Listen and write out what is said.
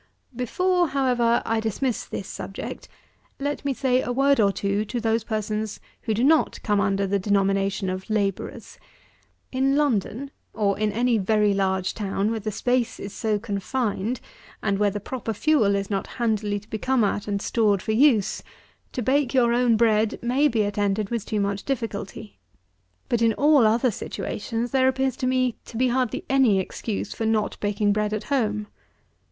91. Before, however, I dismiss this subject, let me say a word or two to those persons who do not come under the denomination of labourers. In London, or in any very large town where the space is so confined, and where the proper fuel is not handily to be come at and stored for use, to bake your own bread may be attended with too much difficulty; but in all other situations there appears to me to be hardly any excuse for not baking bread at home.